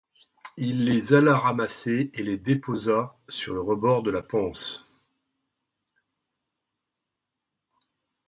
Il les alla ramasser et les déposa sur le rebord de la panse.